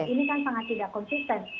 ini kan sangat tidak konsisten